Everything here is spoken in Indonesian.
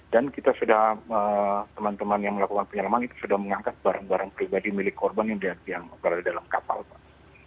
dan kita sudah teman teman yang melakukan penyelaman itu sudah mengangkat barang barang pribadi milik korban yang berada dalam kapal pak